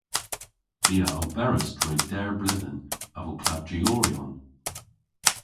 I a oberas dre deyr bledhen avel klavjioryon.